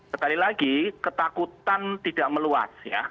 sekali lagi ketakutan tidak meluas ya